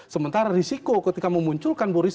sementara risiko ketika memunculkan